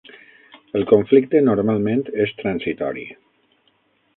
El conflicte normalment és transitori.